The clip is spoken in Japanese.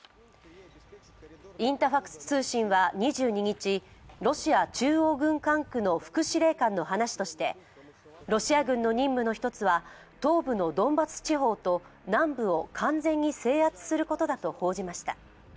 インタファクス通信は２２日、ロシア中央軍管区の副司令官の話としてロシア軍の任務の一つは東部のドンバス地方と南部を完全に制圧することだと報じました。